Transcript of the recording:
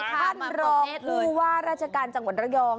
ท่านรองผู้ว่าราชการจังหวัดระยอง